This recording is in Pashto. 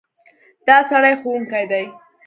دا سړی ښوونکی دی.